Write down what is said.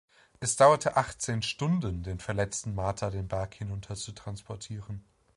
Es dauerte achtzehn Stunden den verletzten Mata den Berg hinunter zu transportieren.